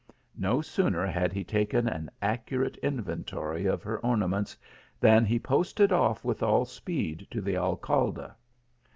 No sooner had he taken an accurate inventory of her ornaments than he posted off with all speed to the Alcalde.